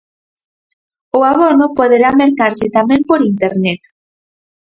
O abono poderá mercarse tamén por Internet.